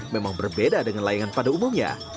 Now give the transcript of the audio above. memang berbeda dengan layangan pada umumnya